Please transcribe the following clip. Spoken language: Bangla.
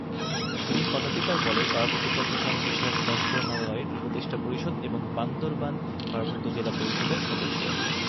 তিনি পদাধিকার বলে পার্বত্য চট্টগ্রাম বিষয়ক মন্ত্রণালয়ের উপদেষ্টা পরিষদ এবং বান্দরবান পার্বত্য জেলা পরিষদের সদস্য।